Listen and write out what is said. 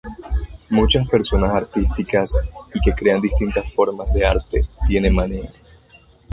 Muchas personas artísticas y que crean distintas formas de arte tienen manía.